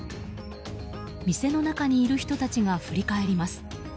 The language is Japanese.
店の中にいる人たちが振り返ります。